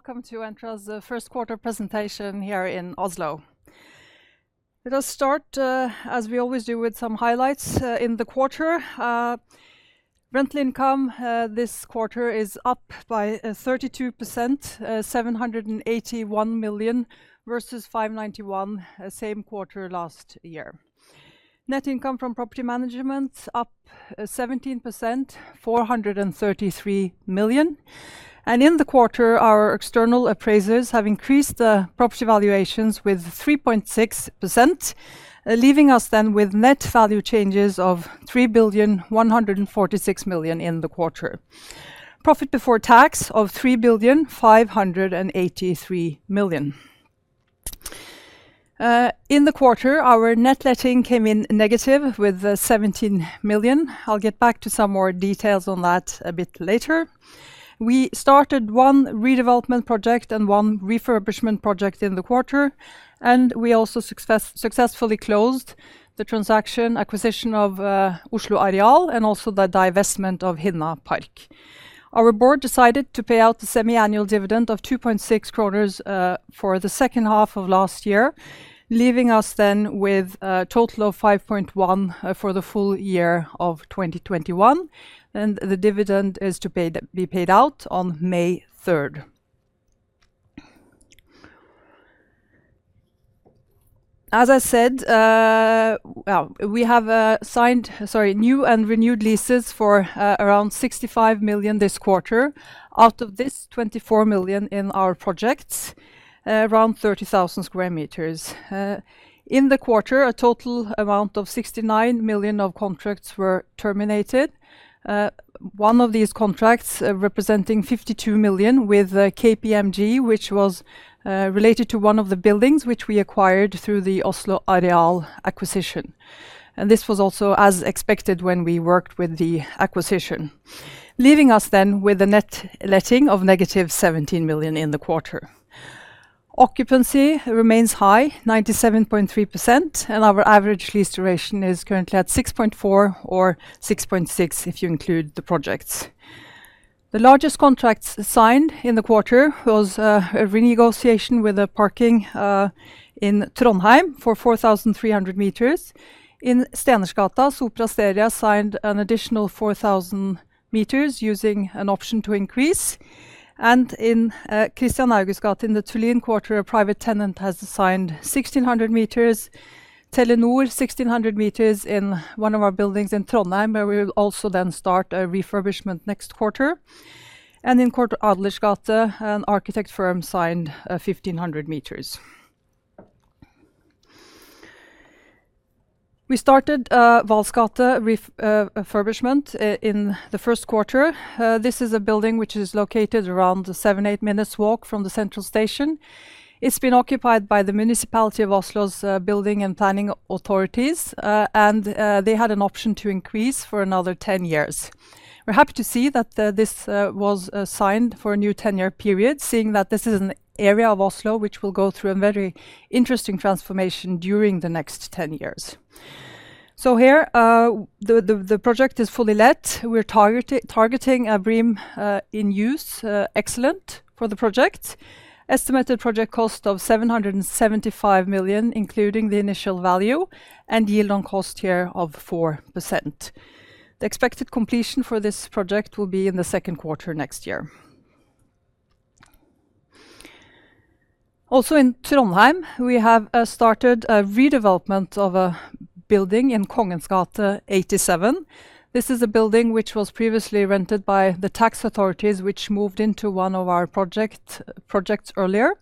Good morning all, and welcome to Entra's first quarter presentation here in Oslo. Let us start, as we always do, with some highlights in the quarter. Rental income this quarter is up by 32%, 781 million versus 591 million same quarter last year. Net income from property management up 17%, 433 million. In the quarter, our external appraisers have increased the property valuations with 3.6%, leaving us then with net value changes of 3,146,000,000 in the quarter. Profit before tax of 3,583,000,000. In the quarter, our net letting came in negative with 17 million. I'll get back to some more details on that a bit later. We started one redevelopment project and one refurbishment project in the quarter, and we also successfully closed the transaction acquisition of Oslo Areal and also the divestment of Hinna Park. Our Board decided to pay out the semiannual dividend of 2.6 kroner for the second half of last year, leaving us then with a total of 5.1 for the full year of 2021, and the dividend is to be paid out on May 3rd. As I said, we have signed new and renewed leases for around 65 million this quarter. Out of this, 24 million in our projects, around 30,000 sq m. In the quarter, a total amount of 69 million of contracts were terminated. One of these contracts, representing 52 million with KPMG, which was related to one of the buildings which we acquired through the Oslo Areal acquisition. This was also as expected when we worked with the acquisition. Leaving us then with a net letting of -17 million in the quarter. Occupancy remains high, 97.3%, and our average lease duration is currently at 6.4% or 6.6% if you include the projects. The largest contracts signed in the quarter was a renegotiation with a parking in Trondheim for 4,300 sq m. In Stenersgata, Sopra Steria signed an additional 4,000 sq m using an option to increase. In Kristian Augusts gate in the Tullin quarter, a private tenant has signed 1,600 sq m. Telenor, 1,600 m in one of our buildings in Trondheim, where we will also then start a refurbishment next quarter. In Cort Adelers gate, an architect firm signed 1,500 m. We started Vahls gate refurbishment in the first quarter. This is a building which is located around seven to eight minutes' walk from the Central Station. It's been occupied by the municipality of Oslo's building and planning authorities, and they had an option to increase for another 10 years. We're happy to see that this was signed for a new 10-year period, seeing that this is an area of Oslo which will go through a very interesting transformation during the next 10 years. Here, the project is fully let. We're targeting a BREEAM-in-Use-Excellent for the project. Estimated project cost of 775 million, including the initial value, and yield on cost here of 4%. The expected completion for this project will be in the second quarter next year. Also in Trondheim, we have started a redevelopment of a building in Kongens gate 87. This is a building which was previously rented by the tax authorities which moved into one of our projects earlier.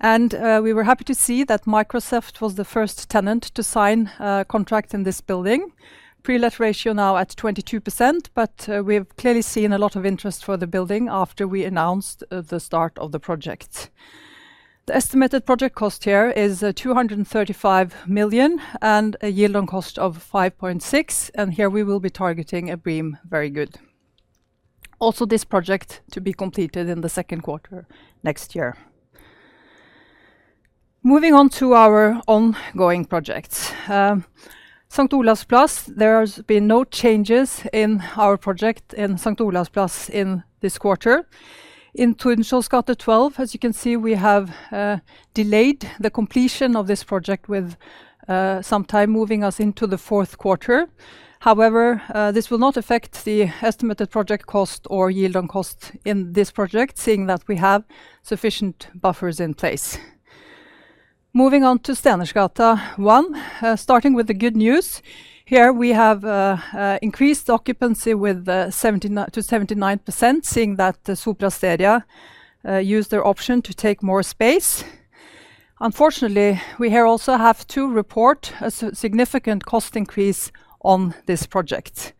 We were happy to see that Microsoft was the first tenant to sign a contract in this building. Pre-let ratio now at 22%, but we've clearly seen a lot of interest for the building after we announced the start of the project. The estimated project cost here is 235 million and a yield on cost of 5.6%, and here we will be targeting a BREEAM Very Good. This project to be completed in the second quarter next year. Moving on to our ongoing projects. St. Olavs plass, there has been no changes in our project in St. Olavs plass in this quarter. In Tordenskiolds gate 12, as you can see, we have delayed the completion of this project with some time moving us into the fourth quarter. However, this will not affect the estimated project cost or yield on cost in this project, seeing that we have sufficient buffers in place. Moving on to Stenersgata 1. Starting with the good news, here we have increased occupancy to 79%, seeing that Sopra Steria used their option to take more space. Unfortunately, we here also have to report a significant cost increase on this project.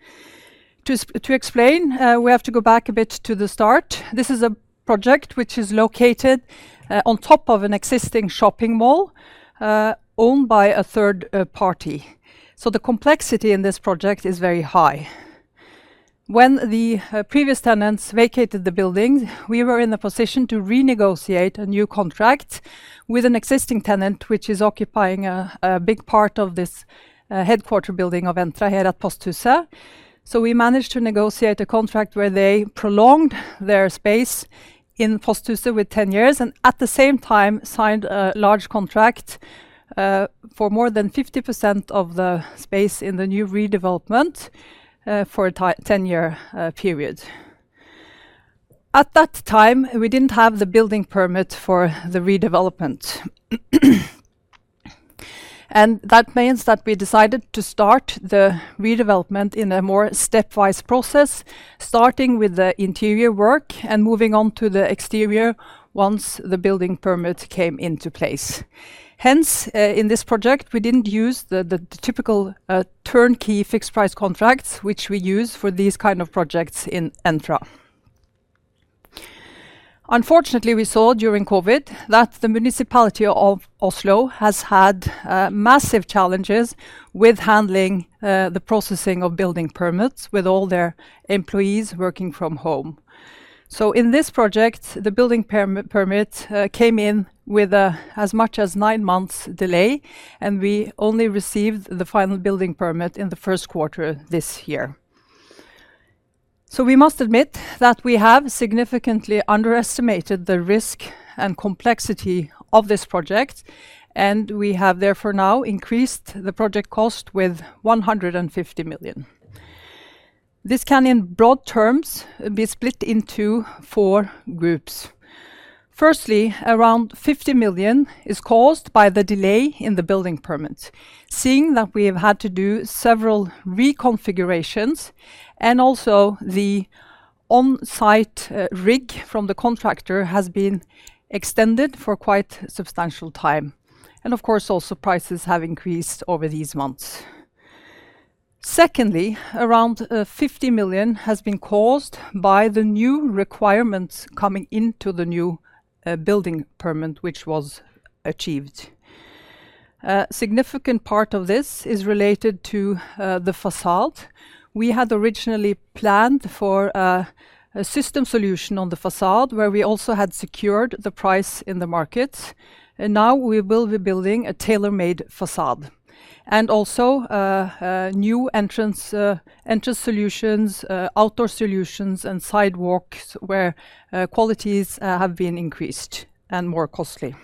To explain, we have to go back a bit to the start. This is a project which is located on top of an existing shopping mall owned by a third party. The complexity in this project is very high. When the previous tenants vacated the buildings, we were in the position to renegotiate a new contract with an existing tenant which is occupying a big part of this headquarter building of Entra here at Posthuset. We managed to negotiate a contract where they prolonged their space in Posthuset with 10 years, and at the same time signed a large contract for more than 50% of the space in the new redevelopment for a 10-year period. At that time, we didn't have the building permit for the redevelopment. That means that we decided to start the redevelopment in a more stepwise process, starting with the interior work and moving on to the exterior once the building permit came into place. Hence, in this project, we didn't use the typical turnkey fixed price contracts which we use for these kind of projects in Entra. Unfortunately, we saw during COVID that the municipality of Oslo has had massive challenges with handling the processing of building permits with all their employees working from home. In this project, the building permit came in with as much as nine months delay, and we only received the final building permit in the first quarter this year. We must admit that we have significantly underestimated the risk and complexity of this project, and we have therefore now increased the project cost with 150 million. This can, in broad terms, be split into four groups. Firstly, around 50 million is caused by the delay in the building permits, seeing that we have had to do several reconfigurations, and also the on-site rig from the contractor has been extended for quite substantial time. Of course, also prices have increased over these months. Secondly, around 50 million has been caused by the new requirements coming into the new building permit, which was achieved. A significant part of this is related to the façade. We had originally planned for a system solution on the facade, where we also had secured the price in the market. Now we will be building a tailor-made façade. Also, new entrance solutions, outdoor solutions, and sidewalks where qualities have been increased and more costly.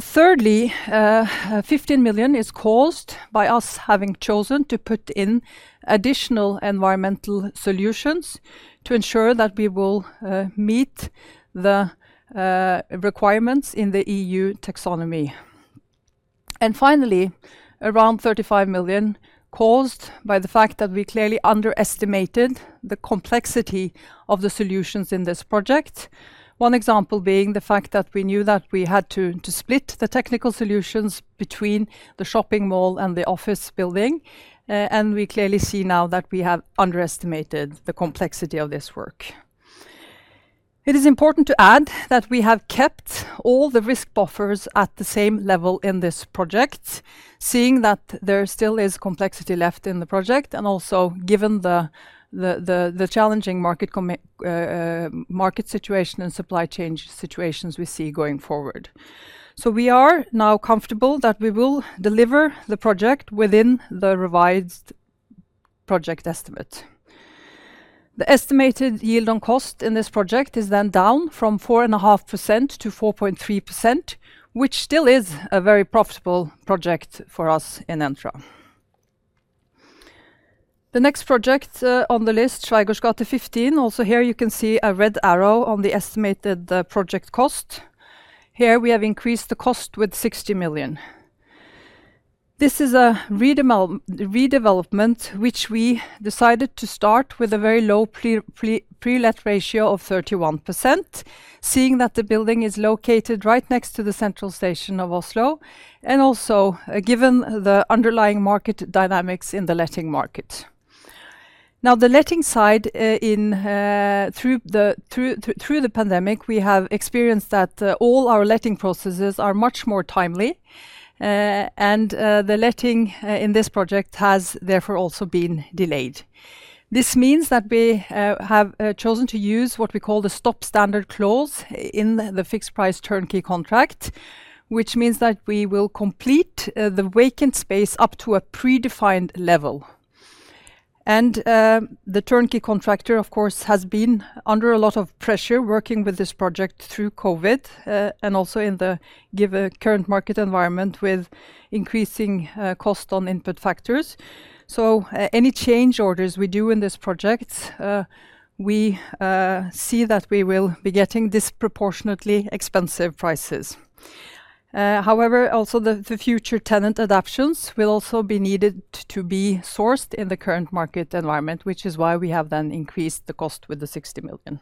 Thirdly, 15 million is caused by us having chosen to put in additional environmental solutions to ensure that we will meet the requirements in the EU taxonomy. Finally, around 35 million caused by the fact that we clearly underestimated the complexity of the solutions in this project. One example being the fact that we knew that we had to split the technical solutions between the shopping mall and the office building, and we clearly see now that we have underestimated the complexity of this work. It is important to add that we have kept all the risk buffers at the same level in this project, seeing that there still is complexity left in the project, and also given the challenging market situation and supply chain situations we see going forward. We are now comfortable that we will deliver the project within the revised project estimate. The estimated yield on cost in this project is then down from 4.5% to 4.3%, which still is a very profitable project for us in Entra. The next project on the list, Schweigaards gate 15. Also here you can see a red arrow on the estimated project cost. Here we have increased the cost with 60 million. This is a redevelopment which we decided to start with a very low pre-let ratio of 31%, seeing that the building is located right next to the central station of Oslo, and also given the underlying market dynamics in the letting market. Now, the letting side through the pandemic, we have experienced that all our letting processes are much more timely. The letting in this project has therefore also been delayed. This means that we have chosen to use what we call the stop standard clause in the fixed price turnkey contract, which means that we will complete the vacant space up to a predefined level. The turnkey contractor of course has been under a lot of pressure working with this project through COVID, and also in the given current market environment with increasing cost on input factors. Any change orders we do in this project, we see that we will be getting disproportionately expensive prices. However, also the future tenant adaptations will also be needed to be sourced in the current market environment, which is why we have then increased the cost with the 60 million.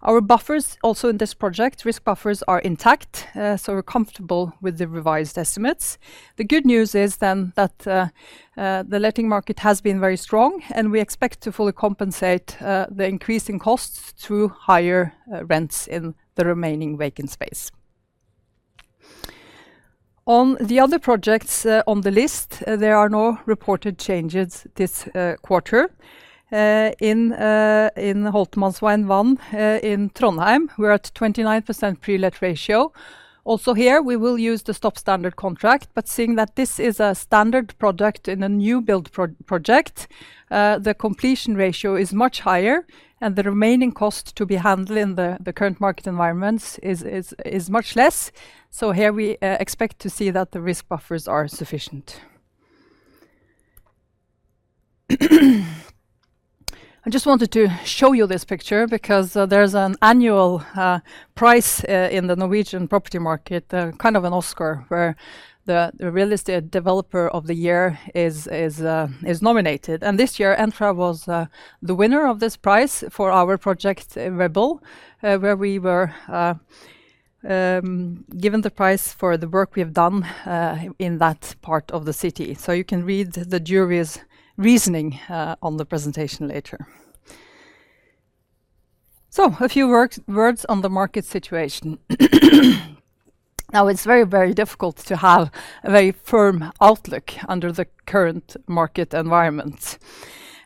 Our buffers also in this project, risk buffers are intact, so we're comfortable with the revised estimates. The good news is then that the letting market has been very strong, and we expect to fully compensate the increasing costs through higher rents in the remaining vacant space. On the other projects on the list, there are no reported changes this quarter. In the Holtermanns veg 1 in Trondheim, we're at 29% pre-let ratio. Also here, we will use the stop standard contract. But seeing that this is a standard project in a new build project, the completion ratio is much higher, and the remaining cost to be handled in the current market environment is much less. So here we expect to see that the risk buffers are sufficient. I just wanted to show you this picture because there's an annual prize in the Norwegian property market. Kind of an Oscar where the real estate developer of the year is nominated. This year, Entra was the winner of this prize for our project in Rebel, where we were given the prize for the work we have done in that part of the city. You can read the jury's reasoning on the presentation later. A few words on the market situation. Now it's very difficult to have a very firm outlook under the current market environment.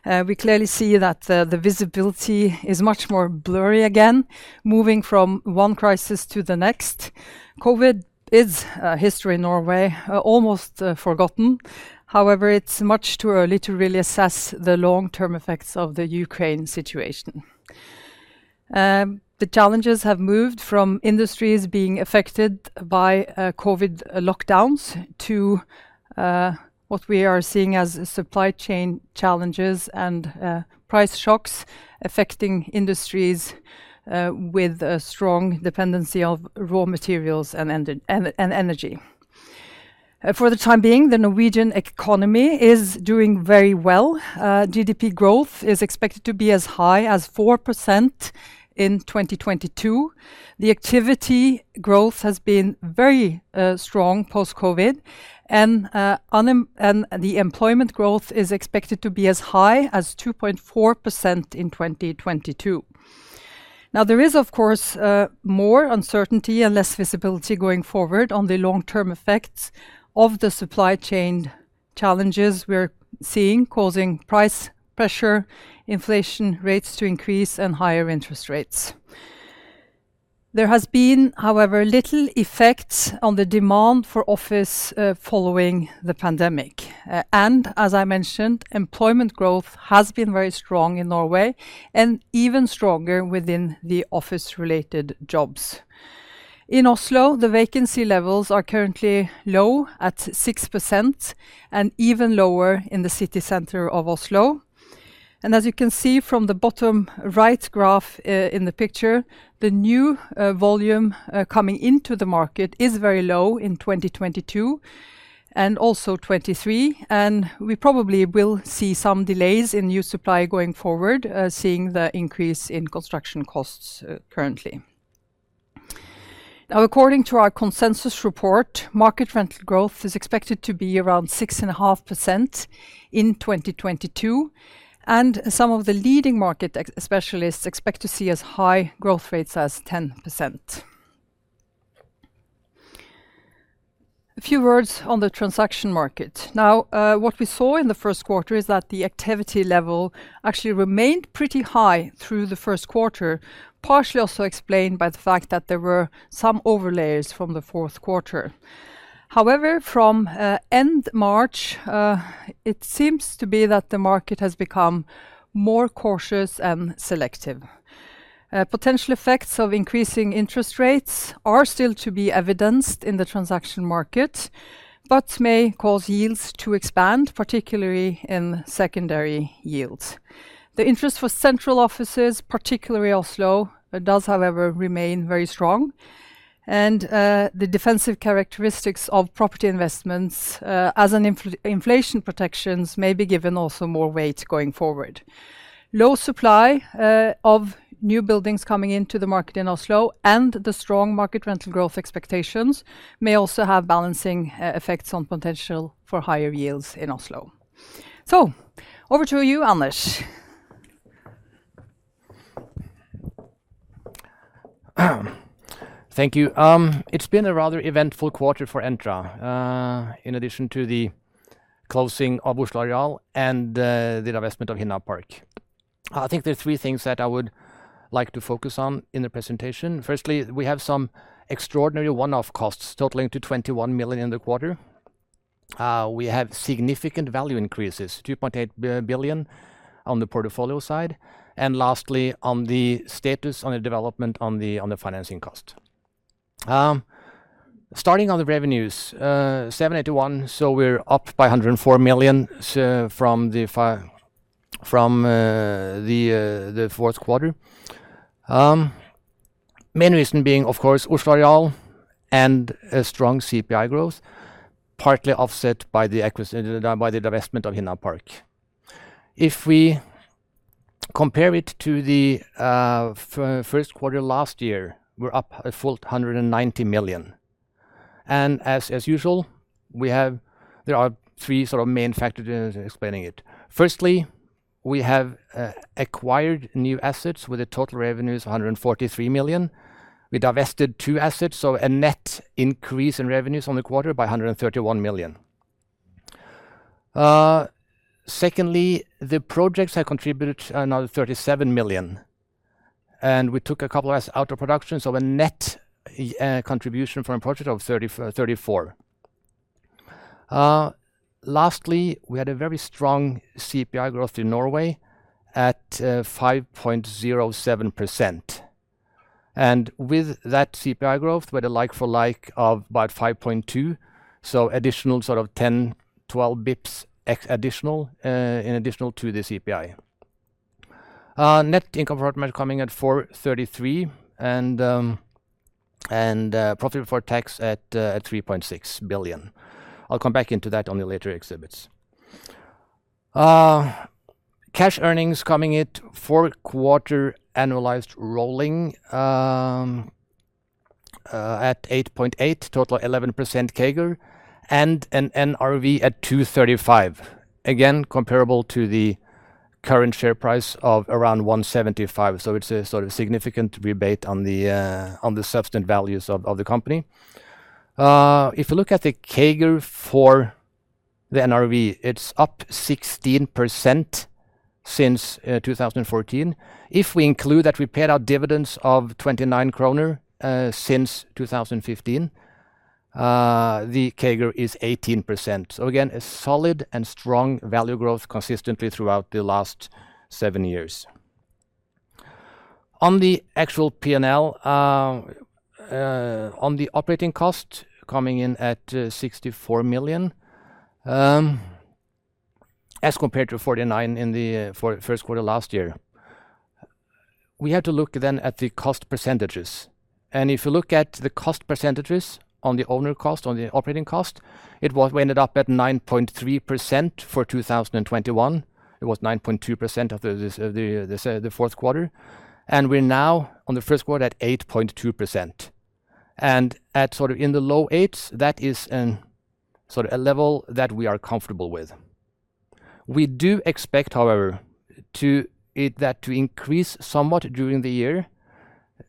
We clearly see that the visibility is much more blurry again, moving from one crisis to the next. COVID is history in Norway, almost forgotten. However, it's much too early to really assess the long-term effects of the Ukraine situation. The challenges have moved from industries being affected by COVID lockdowns to what we are seeing as supply chain challenges and price shocks affecting industries with a strong dependency of raw materials and energy. For the time being, the Norwegian economy is doing very well. GDP growth is expected to be as high as 4% in 2022. The activity growth has been very strong post-COVID, and the employment growth is expected to be as high as 2.4% in 2022. Now, there is, of course, more uncertainty and less visibility going forward on the long-term effects of the supply chain challenges we are seeing, causing price pressure, inflation rates to increase, and higher interest rates. There has been, however, little effect on the demand for office following the pandemic. As I mentioned, employment growth has been very strong in Norway and even stronger within the office related jobs. In Oslo, the vacancy levels are currently low at 6% and even lower in the city center of Oslo. As you can see from the bottom right graph in the picture, the new volume coming into the market is very low in 2022 and also 2023, and we probably will see some delays in new supply going forward, seeing the increase in construction costs currently. Now, according to our consensus report, market rental growth is expected to be around 6.5% in 2022, and some of the leading market experts expect to see as high growth rates as 10%. A few words on the transaction market. Now, what we saw in the first quarter is that the activity level actually remained pretty high through the first quarter, partially also explained by the fact that there were some overlayers from the fourth quarter. However, from end March, it seems to be that the market has become more cautious and selective. Potential effects of increasing interest rates are still to be evidenced in the transaction market, but may cause yields to expand, particularly in secondary yields. The interest for central offices, particularly Oslo, does, however, remain very strong. The defensive characteristics of property investments as an inflation protections may be given also more weight going forward. Low supply of new buildings coming into the market in Oslo and the strong market rental growth expectations may also have balancing effects on potential for higher yields in Oslo. Over to you, Anders. Thank you. It's been a rather eventful quarter for Entra, in addition to the closing of Oslo Areal and the divestment of Hinna Park. I think there are three things that I would like to focus on in the presentation. Firstly, we have some extraordinary one-off costs totaling 21 million in the quarter. We have significant value increases, 2.8 billion on the portfolio side. And lastly, on the status on the development on the financing cost. Starting on the revenues, 781 million, so we're up by 104 million from the fourth quarter. Main reason being, of course, Oslo Areal and a strong CPI growth, partly offset by the divestment of Hinna Park. If we compare it to the first quarter last year, we're up a full 190 million. As usual, there are three sort of main factors in explaining it. Firstly, we have acquired new assets with the total revenues 143 million. We divested two assets, so a net increase in revenues on the quarter by 131 million. Secondly, the projects have contributed another 37 million, and we took a couple of assets out of production, so a net contribution from projects of 34 million. Lastly, we had a very strong CPI growth in Norway at 5.07%. With that CPI growth, with a like-for-like of about 5.2%, so additional sort of 10, 12 basis points in addition to the CPI. Net income from investment coming at 433million, and profit before tax at 3.6 billion. I'll come back into that on the later exhibits. Cash earnings coming at four-quarter annualized rolling at 8.8, total 11% CAGR, and an NRV at 235. Again, comparable to the current share price of around 175. It's a sort of significant rebate on the substance values of the company. If you look at the CAGR for the NRV, it's up 16% since 2014. If we include that we paid out dividends of 29 kroner since 2015, the CAGR is 18%. Again, a solid and strong value growth consistently throughout the last seven years. On the actual P&L, the operating cost coming in at 64 million, as compared to 49 million in the first quarter last year. We had to look then at the cost percentages. If you look at the cost percentages on the owner cost, on the operating cost, it was. We ended up at 9.3% for 2021. It was 9.2% in the fourth quarter. We're now in the first quarter at 8.2%. At sort of in the low-8s, that is a level that we are comfortable with. We do expect, however, it to increase somewhat during the year.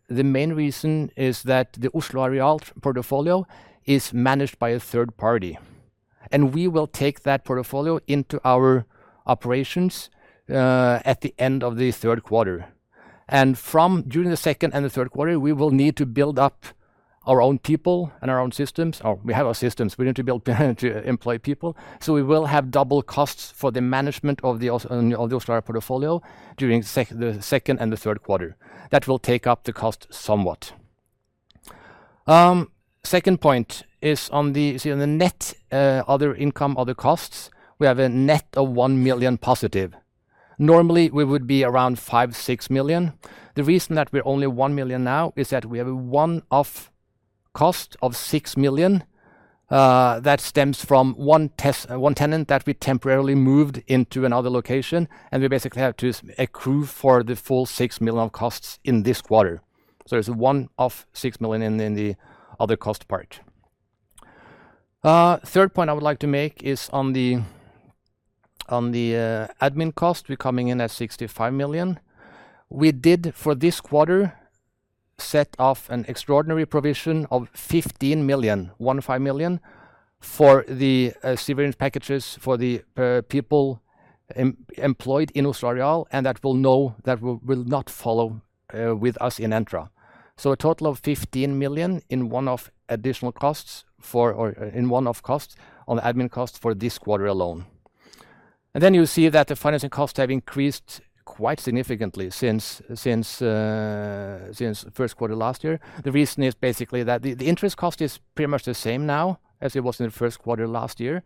The main reason is that the Oslo Areal portfolio is managed by a third party, and we will take that portfolio into our operations at the end of the third quarter. During the second and the third quarter, we will need to build up our own people and our own systems. Oh, we have our systems. We need to employ people. We will have double costs for the management of the Oslo Areal portfolio during the second and the third quarter. That will take up the cost somewhat. Second point is on the net other income, other costs, we have a net of 1 million positive. Normally, we would be around 5 million- 6 million. The reason that we're only 1 million now is that we have a one-off cost of 6 million that stems from one tenant that we temporarily moved into another location, and we basically have to accrue for the full 6 million costs in this quarter. There's a one-off 6 million in the other cost part. Third point I would like to make is on the admin cost. We're coming in at 65 million. We did for this quarter set off an extraordinary provision of 15 million for the severance packages for the people employed in Oslo Areal, and that will not follow with us in Entra. A total of 15 million in one-off additional costs for or in one-off costs on admin costs for this quarter alone. Then you see that the financing costs have increased quite significantly since first quarter last year. The reason is basically that the interest cost is pretty much the same now as it was in the first quarter last year,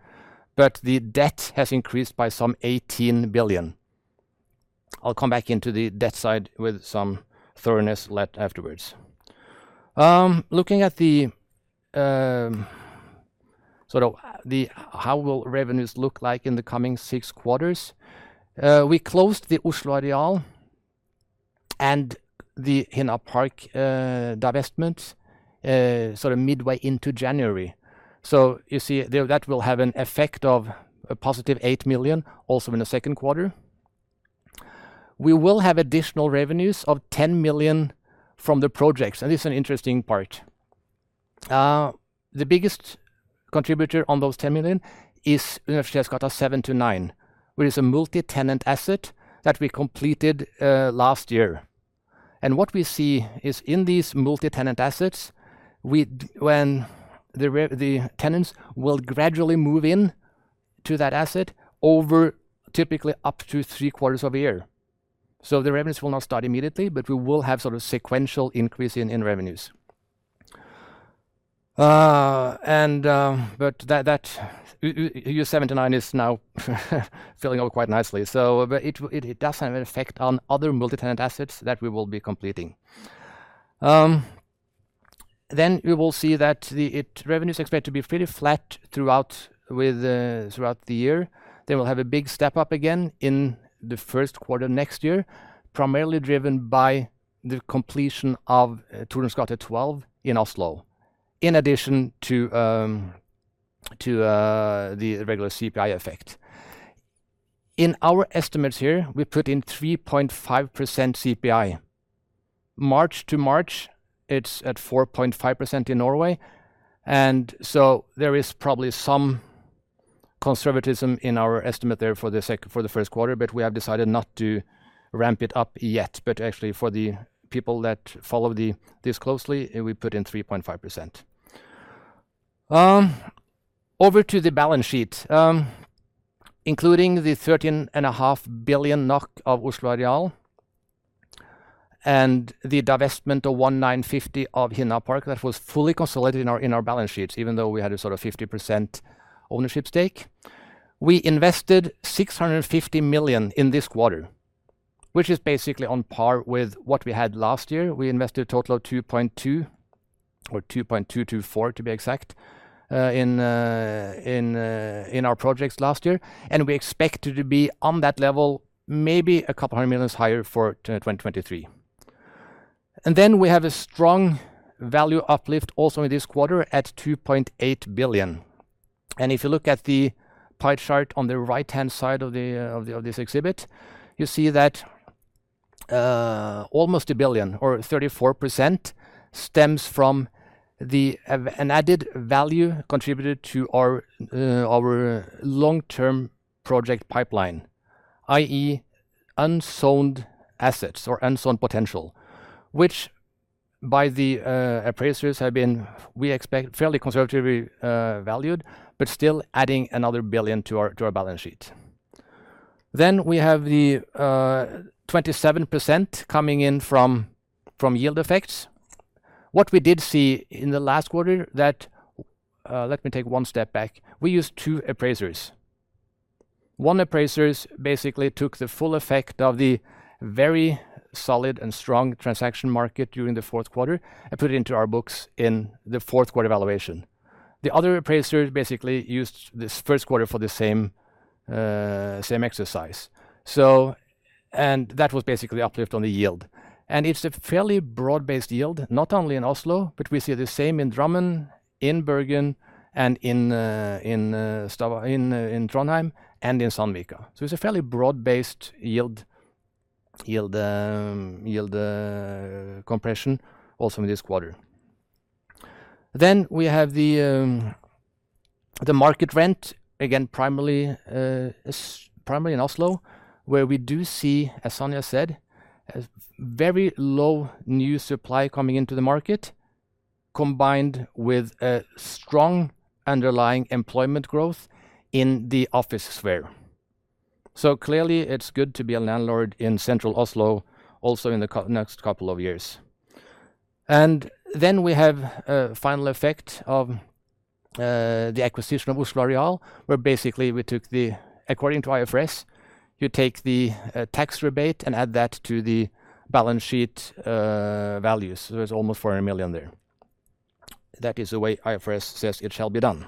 but the debt has increased by some 18 billion. I'll come back into the debt side with some thoroughness afterwards. Looking at how revenues will look like in the coming six quarters, we closed the Oslo Areal and the Hinna Park divestment sort of midway into January. You see there that will have an effect of a +8 million also in the second quarter. We will have additional revenues of 10 million from the projects, and this is an interesting part. The biggest contributor on those 10 million is Universitetsgata 7-9, which is a multi-tenant asset that we completed last year. What we see is in these multi-tenant assets, the tenants will gradually move in to that asset over typically up to three quarters of a year. The revenues will not start immediately, but we will have sort of sequential increase in revenues. That U 7-9 is now filling up quite nicely. It does have an effect on other multi-tenant assets that we will be completing. You will see that the revenues expected to be fairly flat throughout the year. They will have a big step up again in the first quarter next year, primarily driven by the completion of Tordenskiolds gate 12 in Oslo. In addition to the regular CPI effect. In our estimates here, we put in 3.5% CPI. March to March, it's at 4.5% in Norway, and so there is probably some conservatism in our estimate there for the first quarter, but we have decided not to ramp it up yet. Actually, for the people that follow this closely, we put in 3.5%. Over to the balance sheet. Including the 13.5 billion NOK of Oslo Areal and the divestment of 1.950 billion of Hinna Park that was fully consolidated in our balance sheets, even though we had a sort of 50% ownership stake. We invested 650 million in this quarter, which is basically on par with what we had last year. We invested a total of 2.2, or 2.224 to be exact, in our projects last year, and we expect it to be on that level, maybe a couple of hundred million higher for 2023. We have a strong value uplift also in this quarter at 2.8 billion. If you look at the pie chart on the right-hand side of this exhibit, you see that almost 1 billion or 34% stems from an added value contributed to our long-term project pipeline, i.e., unzoned assets or unzoned potential, which by the appraisers have been, we expect, fairly conservatively valued, but still adding another 1 billion to our balance sheet. We have the 27% coming in from yield effects. What we did see in the last quarter that, let me take one step back. We used two appraisers. One appraiser basically took the full effect of the very solid and strong transaction market during the fourth quarter and put it into our books in the fourth quarter valuation. The other appraiser basically used this first quarter for the same exercise. That was basically uplift on the yield. It's a fairly broad-based yield, not only in Oslo, but we see the same in Drammen, in Bergen and in Trondheim and in Sandvika. It's a fairly broad-based yield compression also in this quarter. We have the market rent, again, primarily in Oslo, where we do see, as Sonja said, a very low new supply coming into the market, combined with a strong underlying employment growth in the office sector. Clearly, it's good to be a landlord in central Oslo also in the next couple of years. We have a final effect of the acquisition of Oslo Areal, where basically we took the, according to IFRS, you take the tax rebate and add that to the balance sheet values. There's almost 400 million there. That is the way IFRS says it shall be done.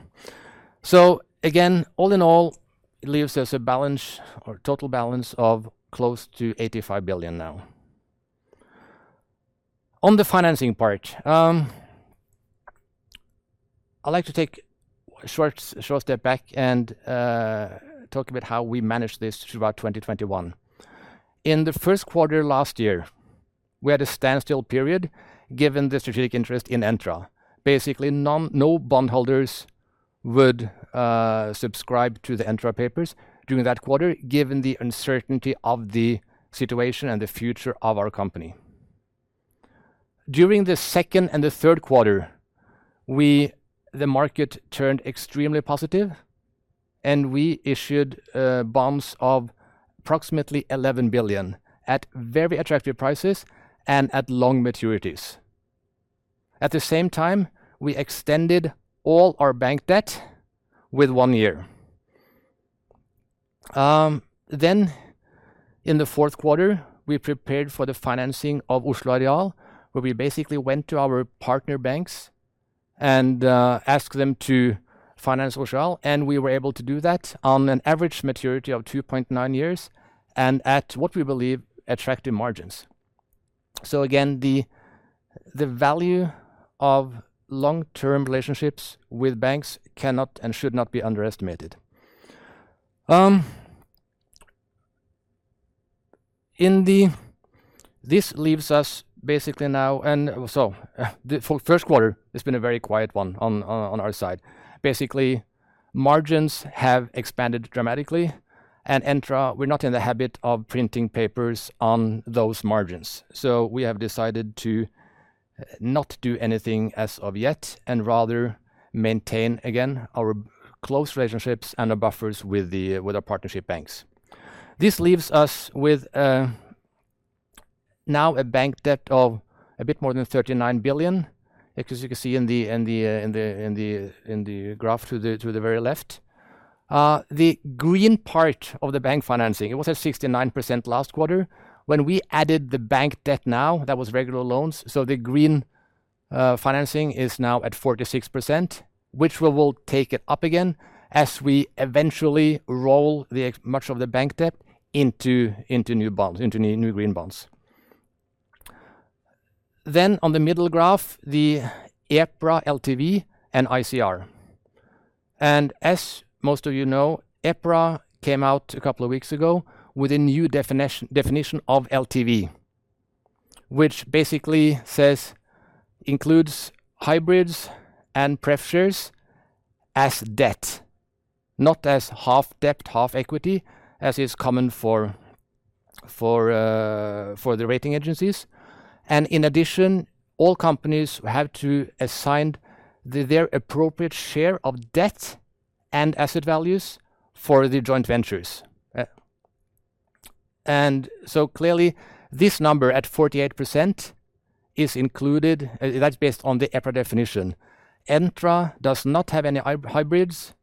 Again, all in all, it leaves us a balance or total balance of close to 85 billion now. On the financing part, I'd like to take a short step back and talk about how we managed this throughout 2021. In the first quarter last year, we had a standstill period given the strategic interest in Entra. Basically, no bondholders would subscribe to the Entra papers during that quarter, given the uncertainty of the situation and the future of our company. During the second and third quarter, the market turned extremely positive, and we issued bonds of approximately 11 billion at very attractive prices and at long maturities. At the same time, we extended all our bank debt with one year. Then in the fourth quarter, we prepared for the financing of Oslo Areal, where we basically went to our partner banks and asked them to finance Oslo Areal, and we were able to do that on an average maturity of 2.9 years and at what we believe attractive margins. Again, the value of long-term relationships with banks cannot and should not be underestimated. This leaves us basically now, the first quarter has been a very quiet one on our side. Basically, margins have expanded dramatically. At Entra, we're not in the habit of printing papers on those margins. We have decided to not do anything as of yet and rather maintain again our close relationships and our buffers with our partnership banks. This leaves us with now a bank debt of a bit more than 39 billion, as you can see in the graph to the very left. The green part of the bank financing, it was at 69% last quarter. When we added the bank debt now, that was regular loans. The green financing is now at 46%, which we will take it up again as we eventually roll the much of the bank debt into new bonds, into new green bonds. On the middle graph, the EPRA LTV and ICR. As most of you know, EPRA came out a couple of weeks ago with a new definition of LTV, which basically says includes hybrids and pref shares as debt, not as half debt, half equity, as is common for the rating agencies. In addition, all companies have to assign their appropriate share of debt and asset values for the joint ventures. Clearly, this number at 48% is included. That's based on the EPRA definition. Entra does not have any hybrids.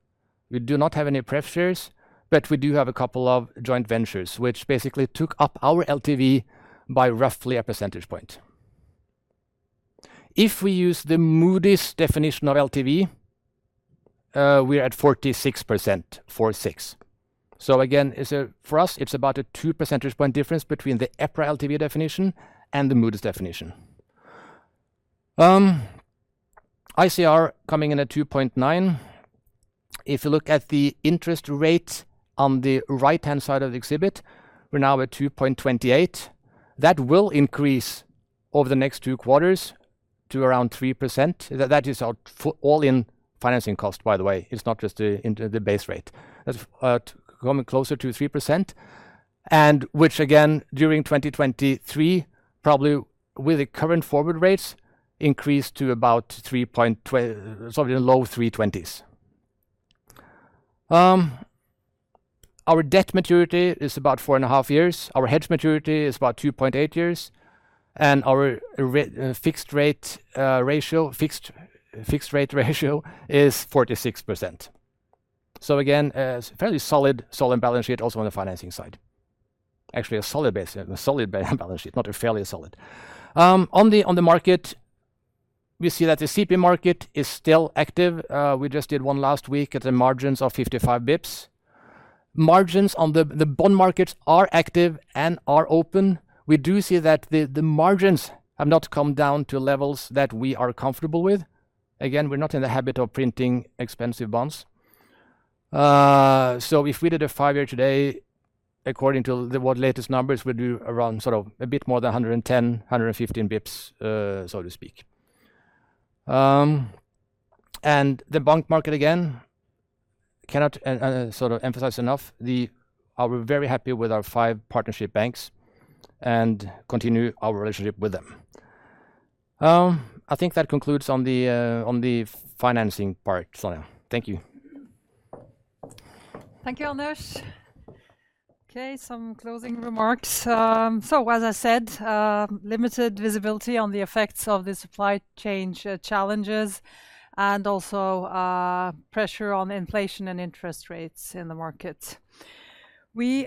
We do not have any pref shares, but we do have a couple of joint ventures, which basically took up our LTV by roughly a percentage point. If we use the Moody's definition of LTV, we're at 46%, 4-6. Again, it's for us, it's about a two percentage point difference between the EPRA LTV definition and the Moody's definition. ICR coming in at 2.9%. If you look at the interest rate on the right-hand side of the exhibit, we're now at 2.28%. That will increase over the next two quarters to around 3%. That is our all-in financing cost, by the way. It's not just the base rate. That's coming closer to 3%, and which again, during 2023, probably with the current forward rates, increase to about 3.20, sort of in the low-3.20s. Our debt maturity is about 4.5 years. Our hedge maturity is about 2.8 years. Our fixed rate ratio is 46%. Again, solid balance sheet also on the financing side. Actually, a solid base, a solid balance sheet, not a fairly solid. On the market, we see that the CP market is still active. We just did one last week at the margins of 55 basis points. Margins on the bond markets are active and are open. We do see that the margins have not come down to levels that we are comfortable with. Again, we're not in the habit of printing expensive bonds. So if we did a five-year today, according to the latest numbers, we're due around sort of a bit more than 110 basis points-115 basis points, so to speak. And the bank market again, I cannot emphasize enough the. We're very happy with our five partnership banks and continue our relationship with them. I think that concludes the financing part, Sonja. Thank you. Thank you, Anders. Okay, some closing remarks. As I said, limited visibility on the effects of the supply chain challenges, and also pressure on inflation and interest rates in the market. We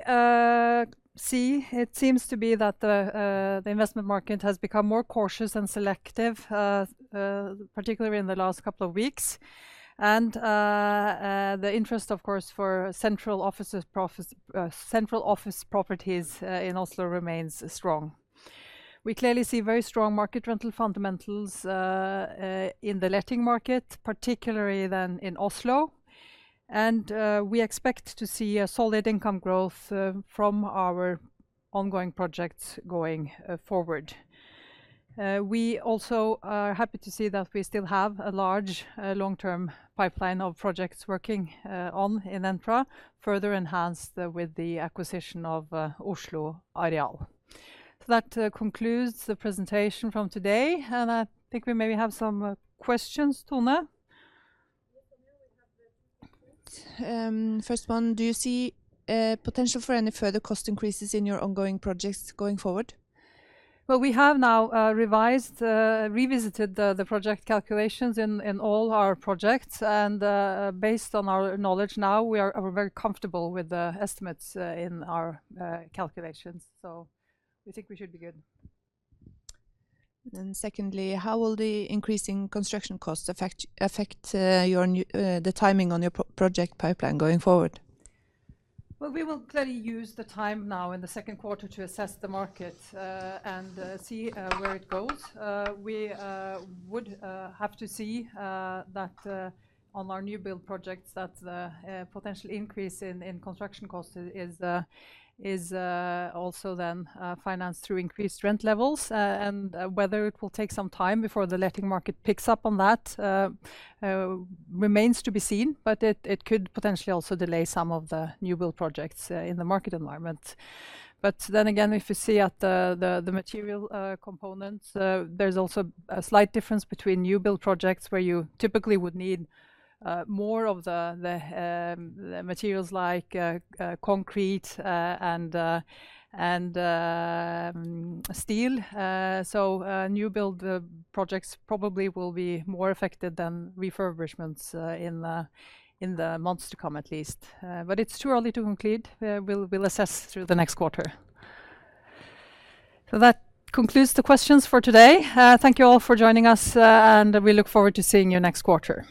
see it seems to be that the investment market has become more cautious and selective, particularly in the last couple of weeks. The interest, of course, for central office properties in Oslo remains strong. We clearly see very strong market rental fundamentals in the letting market, particularly in Oslo. We expect to see a solid income growth from our ongoing projects going forward. We also are happy to see that we still have a large, long-term pipeline of projects working on in Entra, further enhanced with the acquisition of Oslo Areal. That concludes the presentation from today. I think we maybe have some questions, Tone. Yes, Sonja, we have the two questions. First one, do you see potential for any further cost increases in your ongoing projects going forward? Well, we have now revisited the project calculations in all our projects. Based on our knowledge now, we're very comfortable with the estimates in our calculations. We think we should be good. Secondly, how will the increasing construction costs affect your new, the timing on your project pipeline going forward? Well, we will clearly use the time now in the second quarter to assess the market and see where it goes. We would have to see that on our new build projects that the potential increase in construction costs is also then financed through increased rent levels. Whether it will take some time before the letting market picks up on that remains to be seen, but it could potentially also delay some of the new build projects in the market environment. Then again, if you see at the material components, there's also a slight difference between new build projects where you typically would need more of the materials like concrete and steel. New build projects probably will be more affected than refurbishments in the months to come at least. It's too early to conclude. We'll assess through the next quarter. That concludes the questions for today. Thank you all for joining us, and we look forward to seeing you next quarter.